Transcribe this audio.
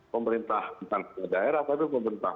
pemerintah daerah tapi pemerintah